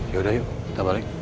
yaudah yuk kita balik